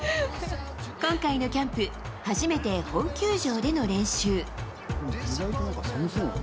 今回のキャンプ、初めて本球場での練習。